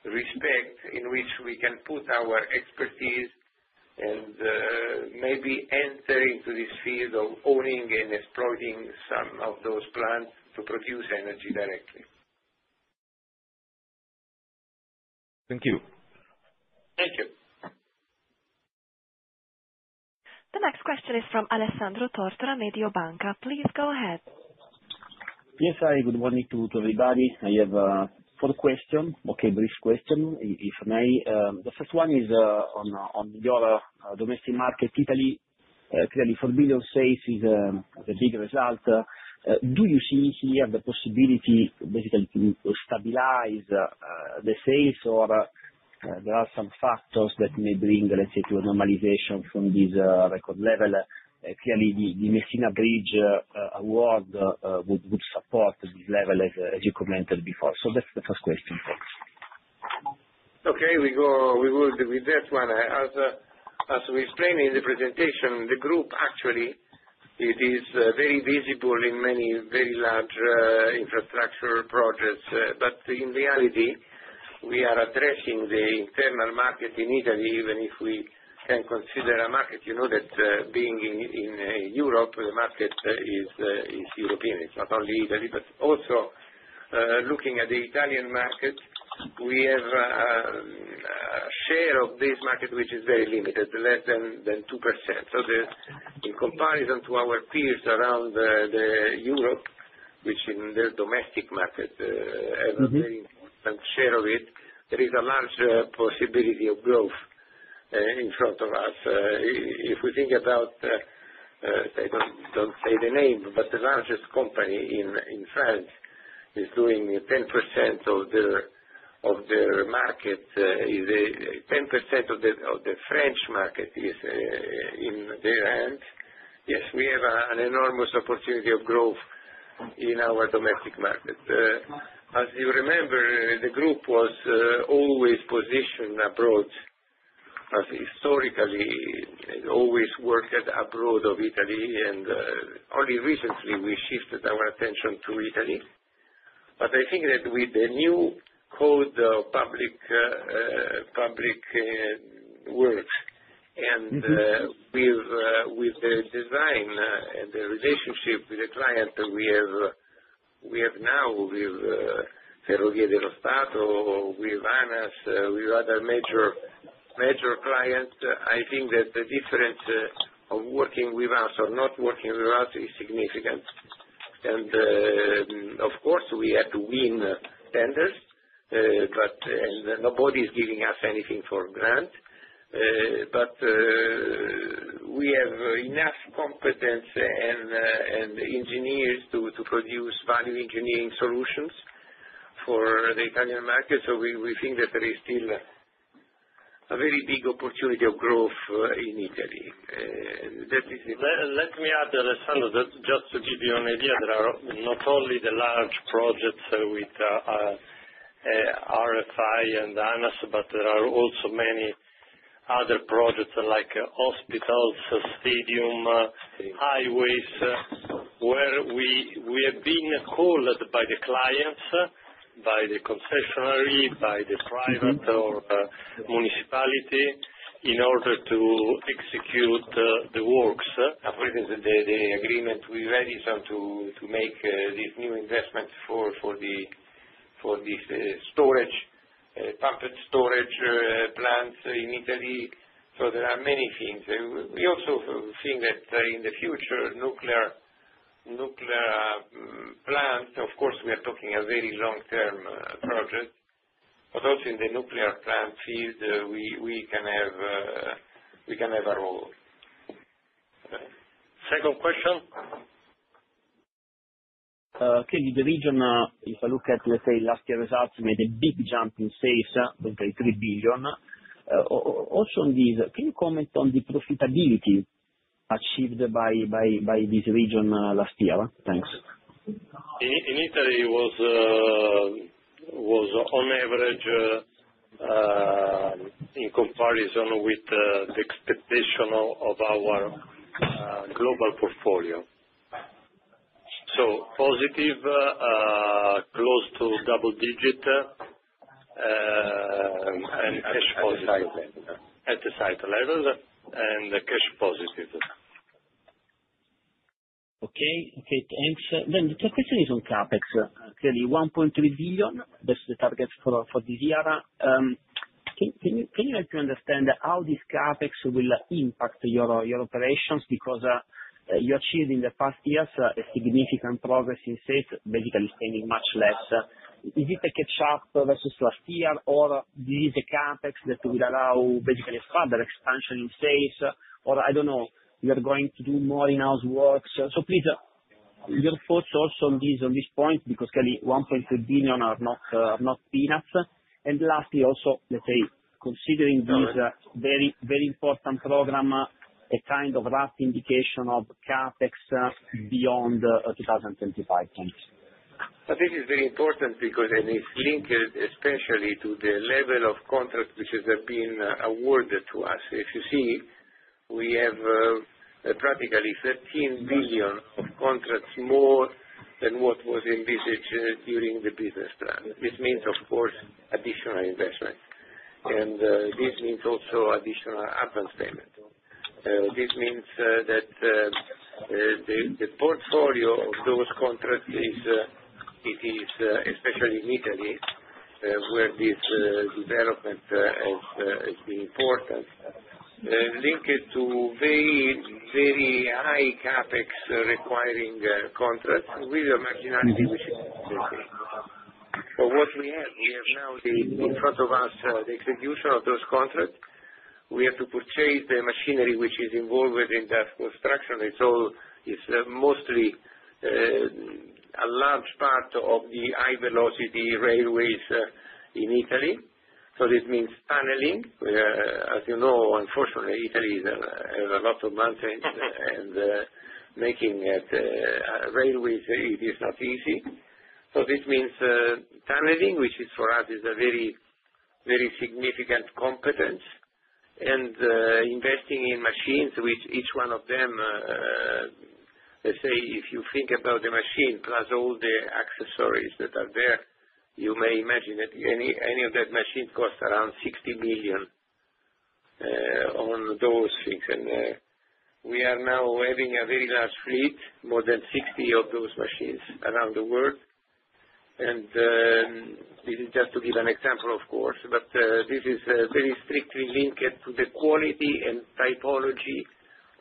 respect in which we can put our expertise and maybe enter into this field of owning and exploiting some of those plants to produce energy directly. Thank you. Thank you. The next question is from Alessandro Tortora, Mediobanca. Please go ahead. Yes. Hi. Good morning to everybody. I have four questions, brief questions, if I may. The first one is on your domestic market, Italy, clearly for Webuild sales is the big result. Do you see here the possibility basically to stabilize the sales, or are there some factors that may bring, let's say, to a normalization from this record level? Clearly, the Messina Bridge award would support this level as you commented before. That is the first question, folks. Okay. We will do with that one. As we explained in the presentation, the Group actually, it is very visible in many very large infrastructure projects. In reality, we are addressing the internal market in Italy, even if we can consider a market that being in Europe, the market is European. It is not only Italy, but also looking at the Italian market, we have a share of this market which is very limited, less than 2%. In comparison to our peers around Europe, which in their domestic market have a very important share of it, there is a large possibility of growth in front of us. If we think about, I don't say the name, but the largest company in France is doing 10% of their market, is 10% of the French market is in their hands. Yes, we have an enormous opportunity of growth in our domestic market. As you remember, the Group was always positioned abroad. Historically, it always worked abroad of Italy, and only recently we shifted our attention to Italy. I think that with the new code of public works and with the design and the relationship with the client we have now with Ferrovie dello Stato, with ANAS, with other major clients, I think that the difference of working with us or not working with us is significant. Of course, we have to win tenders, and nobody is giving us anything for grant. We have enough competence and engineers to produce value engineering solutions for the Italian market. We think that there is still a very big opportunity of growth in Italy. That is it. Let me add, Alessandro, just to give you an idea, there are not only the large projects with RFI and ANAS, but there are also many other projects like hospitals, stadiums, highways, where we have been called by the clients, by the concessionary, by the private or municipality in order to execute the works. As well as the agreement we are ready to make this new investment for the storage, pumped storage plants in Italy. There are many things. We also think that in the future, nuclear plants, of course, we are talking a very long-term project. Also in the nuclear plant field, we can have a role. Second question. The region, if I look at, let's say, last year's results, made a big jump in sales, 23 billion. Also on this, can you comment on the profitability achieved by this region last year? Thanks. In Italy, it was on average in comparison with the expectation of our global portfolio. So positive, close to double digit, and cash positive. At the site level. At the site level and cash positive. Okay. Okay. Thanks. The question is on CapEx. Clearly, 1.3 billion, that's the target for this year. Can you help me understand how this CapEx will impact your operations? Because you achieved in the past years a significant progress in sales, basically spending much less. Is it a catch-up versus last year, or this is a CapEx that will allow basically further expansion in sales, or I don't know, you're going to do more in-house works? Please, your thoughts also on this point, because clearly 1.3 billion are not peanuts. Lastly, also, let's say, considering this very important program, a kind of rough indication of CapEx beyond 2025? Thanks. This is very important because it is linked especially to the level of contracts which have been awarded to us. If you see, we have practically 13 billion of contracts more than what was envisaged during the business plan. This means, of course, additional investment. This means also additional advance payment. This means that the portfolio of those contracts is, especially in Italy, where this development has been important, linked to very, very high CapEx requiring contracts with a marginality which is significant. What we have, we have now in front of us the execution of those contracts. We have to purchase the machinery which is involved within that construction. It is mostly a large part of the high-velocity railways in Italy. This means tunneling. As you know, unfortunately, Italy has a lot of mountains and making railways, it is not easy. This means tunneling, which for us is a very, very significant competence. Investing in machines, which each one of them, let's say, if you think about the machine plus all the accessories that are there, you may imagine that any of that machine costs around 60 million on those things. We are now having a very large fleet, more than 60 of those machines around the world. This is just to give an example, of course, but this is very strictly linked to the quality and typology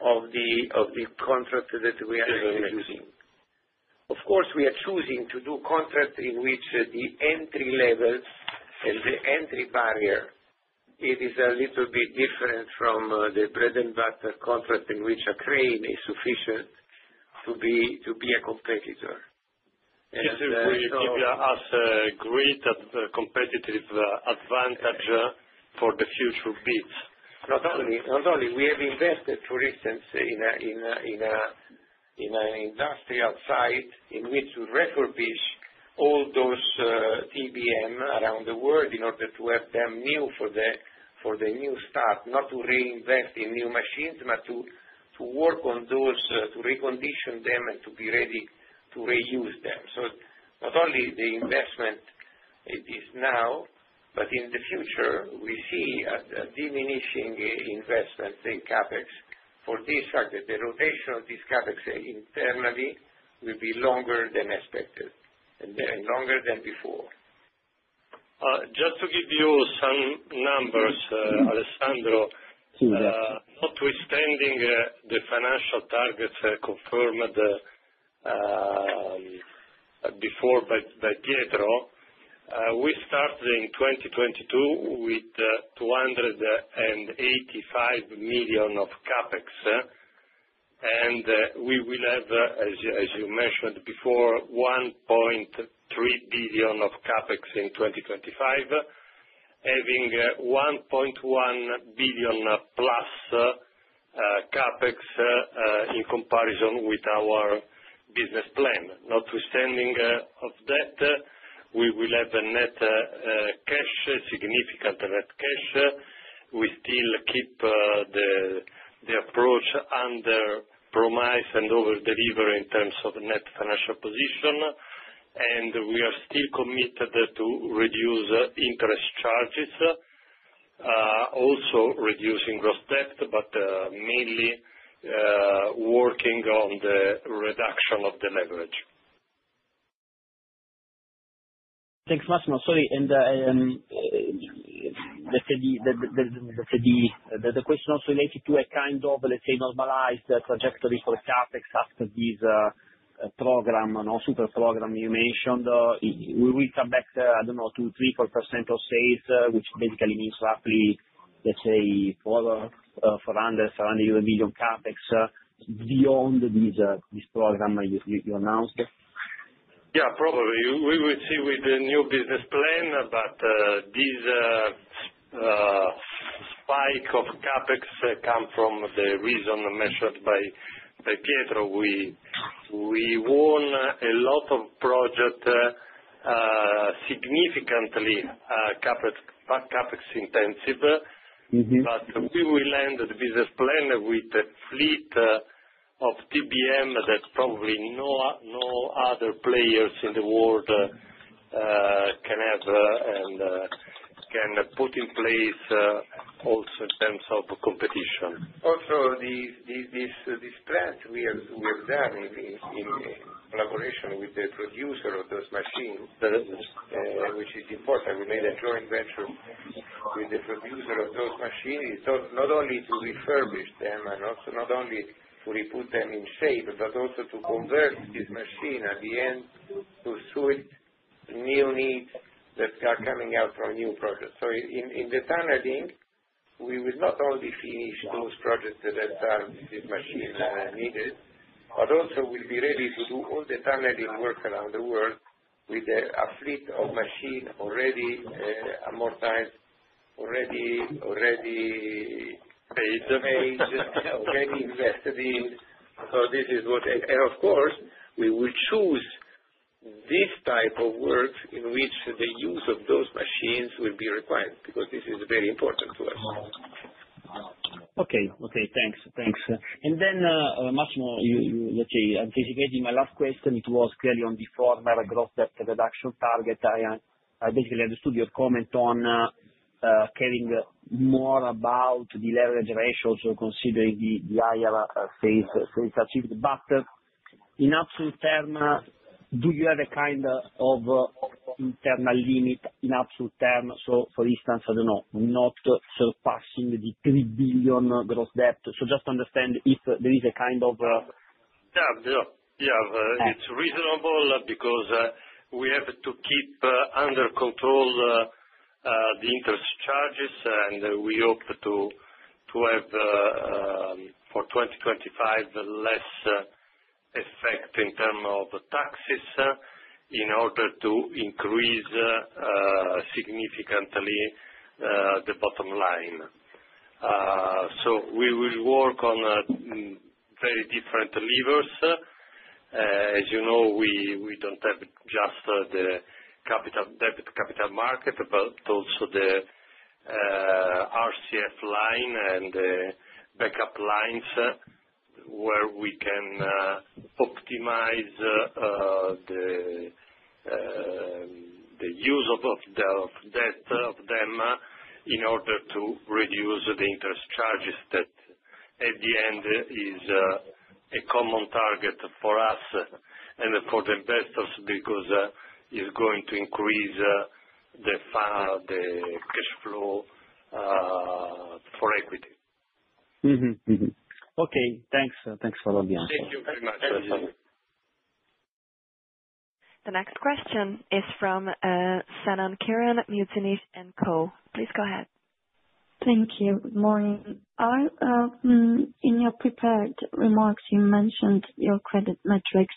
of the contract that we are using. Of course, we are choosing to do contracts in which the entry level and the entry barrier, it is a little bit different from the bread-and-butter contract in which a crane is sufficient to be a competitor. We know this will give us a great competitive advantage for the future bids. Not only. Not only. We have invested, for instance, in an industrial site in which we refurbish all those TBM around the world in order to have them new for the new start, not to reinvest in new machines, but to work on those, to recondition them, and to be ready to reuse them. Not only the investment it is now, but in the future, we see a diminishing investment in CapEx for this fact, that the rotation of this CapEx internally will be longer than expected and longer than before. Just to give you some numbers, Alessandro, notwithstanding the financial targets confirmed before by Pietro, we started in 2022 with 285 million of CapEx. We will have, as you mentioned before, 1.3 billion of CapEx in 2025, having 1.1 billion+ CapEx in comparison with our business plan. Notwithstanding that, we will have a net cash, significant net cash. We still keep the approach under promise and overdelivery in terms of net financial position. We are still committed to reduce interest charges, also reducing gross debt, but mainly working on the reduction of the leverage. Thanks much. Sorry. The question also related to a kind of, let's say, normalized trajectory for CapEx after this program, super program you mentioned. Will we come back, I don't know, 2%, 3%, 4% of sales, which basically means roughly, let's say, 400 million, 700 million CapEx beyond this program you announced? Yeah, probably. We will see with the new business plan, but this spike of CapEx comes from the reason measured by Pietro. We won a lot of projects significantly CapEx intensive, but we will end the business plan with a fleet of TBM that probably no other players in the world can have and can put in place also in terms of competition. Also, this plan we have done in collaboration with the producer of those machines, which is important. We made a joint venture with the producer of those machines, not only to refurbish them and also not only to re-put them in shape, but also to convert this machine at the end to suit new needs that are coming out from new projects. In the tunneling, we will not only finish those projects that these machines needed, but also we'll be ready to do all the tunneling work around the world with a fleet of machines already amortized, already invested in. This is what, and of course, we will choose this type of work in which the use of those machines will be required because this is very important to us. Okay. Okay. Thanks. Thanks. Much more, let's say, anticipating my last question, it was clearly on the former gross debt reduction target. I basically understood your comment on caring more about the leverage ratios considering the higher sales achieved. In absolute term, do you have a kind of internal limit in absolute term? For instance, I don't know, not surpassing the 3 billion gross debt. Just to understand if there is a kind of. Yeah. Yeah. Yeah. It's reasonable because we have to keep under control the interest charges, and we hope to have for 2025 less effect in terms of taxes in order to increase significantly the bottom line. We will work on very different levers. As you know, we do not have just the capital market, but also the RCF line and the backup lines where we can optimize the use of debt of them in order to reduce the interest charges that at the end is a common target for us and for the investors because it is going to increase the cash flow for equity. Okay. Thanks. Thanks for all the answers. Thank you very much. The next question is from Senan Kiran, Muzinich & Co. Please go ahead. Thank you. Good morning. In your prepared remarks, you mentioned your credit metrics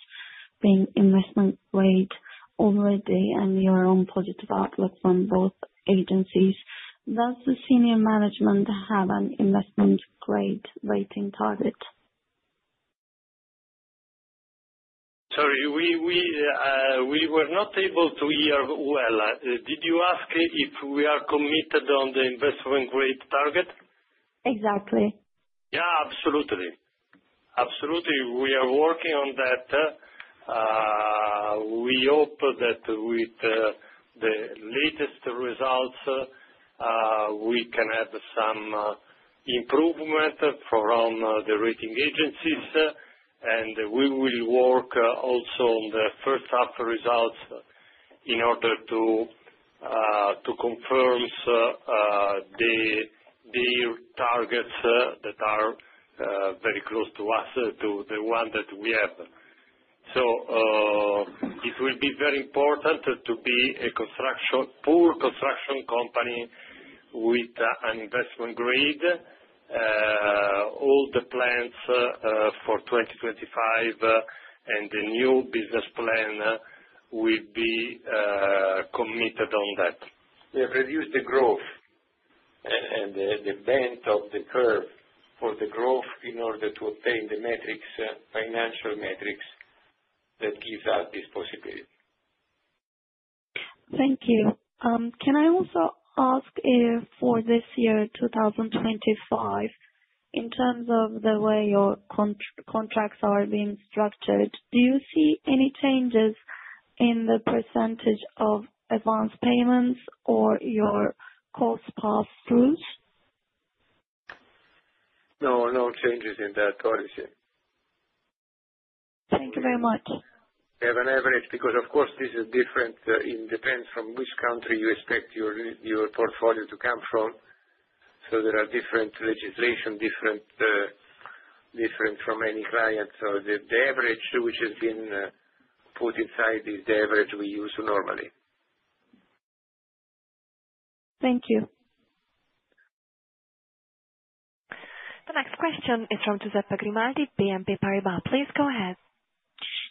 being investment-grade already and your own positive outlook from both agencies. Does the senior management have an investment-grade rating target? Sorry. We were not able to hear well. Did you ask if we are committed on the investment-grade target? Exactly. Yeah. Absolutely. Absolutely. We are working on that. We hope that with the latest results, we can have some improvement from the rating agencies. We will work also on the first-half results in order to confirm the targets that are very close to us to the one that we have. It will be very important to be a pure construction company with an investment-grade. All the plans for 2025 and the new business plan will be committed on that. We have reduced the growth. And the bend of the curve for the growth in order to obtain the metrics, financial metrics that give us this possibility. Thank you. Can I also ask if for this year, 2025, in terms of the way your contracts are being structured, do you see any changes in the percentage of advance payments or your cost pass-throughs? No. No changes in that policy. Thank you very much. We have an average because, of course, this is different. It depends from which country you expect your portfolio to come from. There are different legislations, different from any client. The average which has been put inside is the average we use normally. Thank you. The next question is from Giuseppe Grimaldi, BNP Paribas. Please go ahead.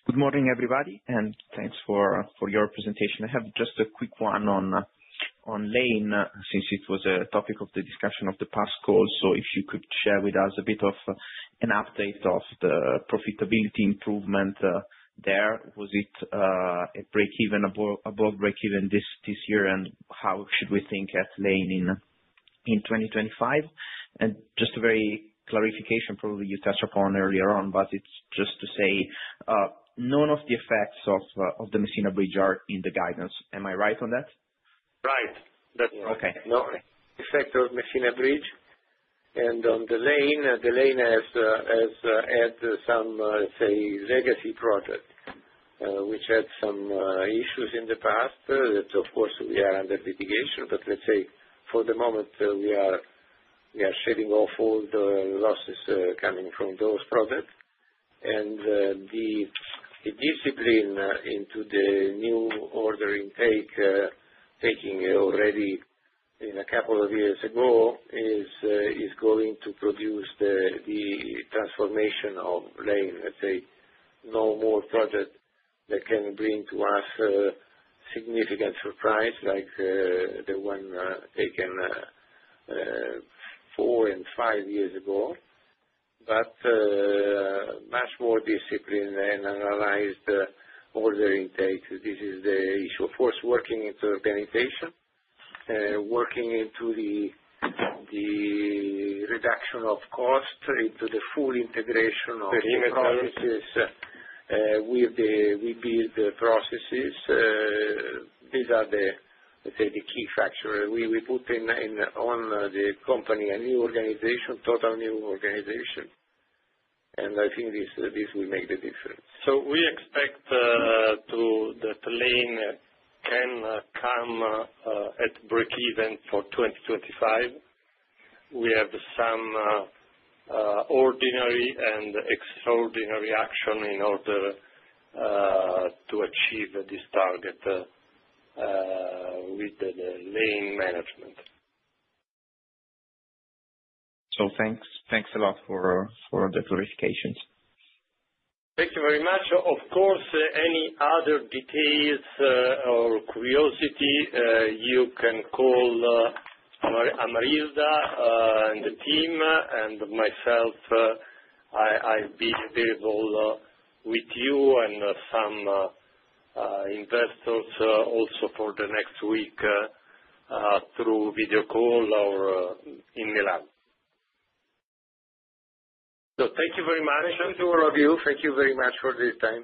Good morning, everybody, and thanks for your presentation. I have just a quick one on Lane since it was a topic of the discussion of the past call. If you could share with us a bit of an update of the profitability improvement there. Was it at break-even, above break-even this year, and how should we think at Lane in 2025? Just a very clarification, probably you touched upon earlier on, but it's just to say none of the effects of the Messina Bridge are in the guidance. Am I right on that? Right. That's right. No effect of Messina Bridge. On Lane, Lane has had some, let's say, legacy projects which had some issues in the past. Of course, we are under litigation, but let's say for the moment, we are shedding off all the losses coming from those projects. The discipline into the new order intake, taking already a couple of years ago, is going to produce the transformation of Lane. Let's say no more projects that can bring to us significant surprise, like the ones taken four and five years ago. Much more discipline and analyzed order intake. This is the issue. Of course, working into organization, working into the reduction of cost, into the full integration of the processes with the Webuild processes. These are the, let's say, the key factors. We put on the company a new organization, total new organization. I think this will make the difference. We expect that Lane can come at break-even for 2025. We have some ordinary and extraordinary action in order to achieve this target with the Lane management. Thanks. Thanks a lot for the clarifications. Thank you very much. Of course, any other details or curiosity, you can call Amarilda and the team and myself. I'll be available with you and some investors also for the next week through video call or in Milan. Thank you very much. Thank you to all of you. Thank you very much for the time.